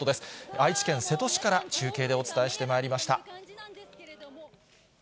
愛知県瀬戸市から中継でお伝えしてまいりました。